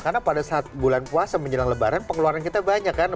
karena pada saat bulan puasa menjelang lebaran pengeluaran kita banyak kan